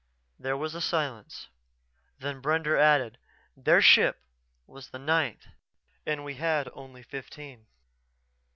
There was a silence, then Brender added, "Their ship was the ninth and we had only fifteen."